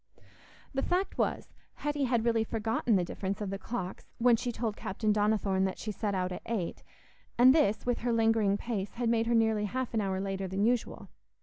The fact was, Hetty had really forgotten the difference of the clocks when she told Captain Donnithorne that she set out at eight, and this, with her lingering pace, had made her nearly half an hour later than usual.